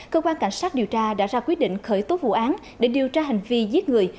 cơ quan cảnh sát điều tra đã ra quyết định khởi tố vụ án để điều tra hành vi giết người